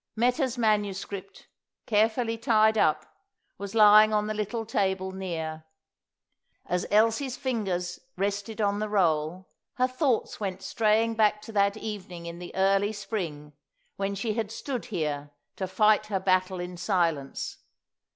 Meta's manuscript, carefully tied up, was lying on the little table near. As Elsie's fingers rested on the roll, her thoughts went straying back to that evening in the early spring when she had stood here to fight her battle in silence.